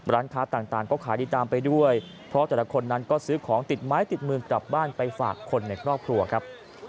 ร้านค้าต่างก็ขายดีตามไปด้วยเพราะแต่ละคนนั้นก็ซื้อของติดไม้ติดมือกลับบ้านไปฝากคนในครอบครัวครับ